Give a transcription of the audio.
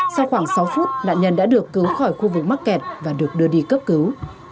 sau khoảng sáu phút nạn nhân đã được cứu khỏi khu vực mắc kẹt và được đưa đi cấp cứu